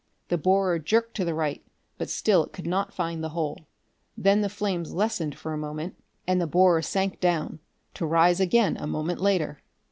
The borer jerked to the right, but still it could not find the hole. Then the flames lessened for a moment, and the borer sank down, to rise again a moment later.